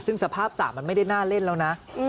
ซึ่งสภาพสระมันไม่ได้น่าเล่นแล้วนะ